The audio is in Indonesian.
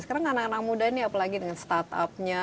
sekarang anak anak muda ini apalagi dengan startupnya